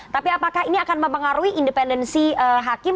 tapi apakah ini akan mempengaruhi independensi hakim